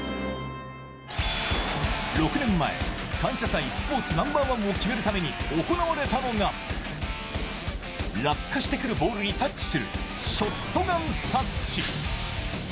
６年前、「感謝祭」スポーツナンバーワンを決めるために行われたのが、落下してくるボールにタッチする、ショットガンタッチ。